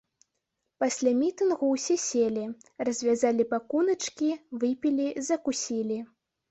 Пасля мітынгу ўсе селі, развязалі пакуначкі, выпілі, закусілі.